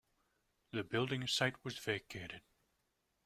The building site was vacated.